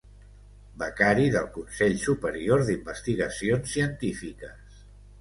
Becari del Consell Superior d'Investigacions Científiques.